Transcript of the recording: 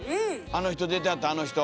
「あの人出てはったあの人」